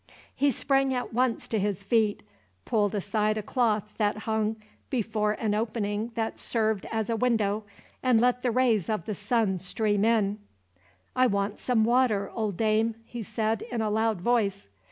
He sprang at once to his feet, pulled aside a cloth that hung before an opening that served as a window, and let the rays of the sun stream in. "I want some water, old dame," he said, in a loud voice.